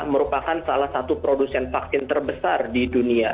merupakan salah satu produsen vaksin terbesar di dunia